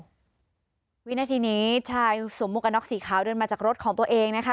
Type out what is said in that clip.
วินาทีนี้ชายสวมหมวกกันน็อกสีขาวเดินมาจากรถของตัวเองนะคะ